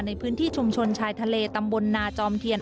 ในพื้นที่ชุมชนชายทะเลตำบลนาจอมเทียน